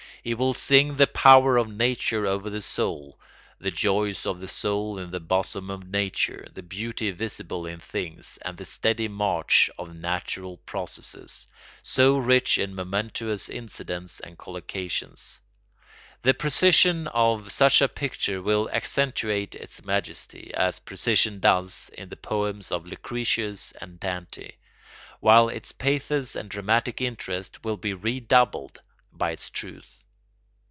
He will sing the power of nature over the soul, the joys of the soul in the bosom of nature, the beauty visible in things, and the steady march of natural processes, so rich in momentous incidents and collocations. The precision of such a picture will accentuate its majesty, as precision does in the poems of Lucretius and Dante, while its pathos and dramatic interest will be redoubled by its truth.